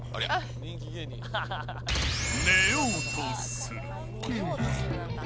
寝ようとする。